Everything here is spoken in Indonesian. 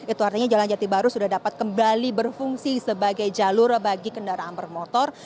itu artinya jalan jati baru sudah dapat kembali berfungsi sebagai jalur bagi kendaraan bermotor